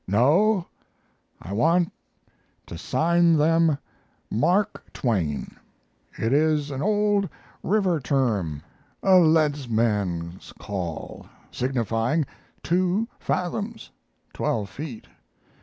"No, I want to sign them 'Mark Twain.' It is an old river term, a leads man's call, signifying two fathoms twelve feet.